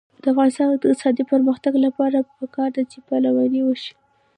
د افغانستان د اقتصادي پرمختګ لپاره پکار ده چې پهلواني وشي.